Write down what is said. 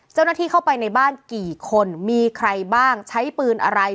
เจ้าหน้าที่เข้าไปในบ้านกี่คนมีใครบ้างใช้ปืนอะไร